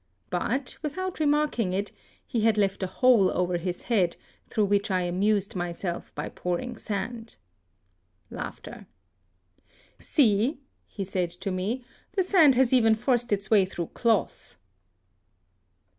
But, without remarking it, he had left a hole over his head, through which I amused myself by pouring sand. "See,'' he said to me, "the sand has even forced its way through cloth."